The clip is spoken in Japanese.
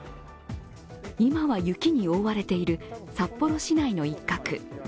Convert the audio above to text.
今は雪に覆われている札幌市内の一角。